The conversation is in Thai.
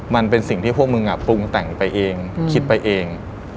มันเป็นสิ่งที่พวกมึงปรุงแต่งไปเองคิดไปเอง